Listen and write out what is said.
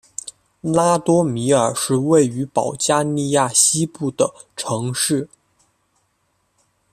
拉多米尔是位于保加利亚西部的城市。